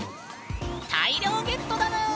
大量ゲットだぬん。